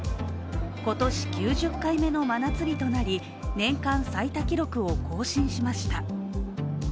今年９０回目の真夏日となり、年間最多記録を更新しました。